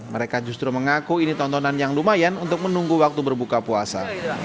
mereka justru mengaku ini tontonan yang lumayan untuk menunggu waktu berbuka puasa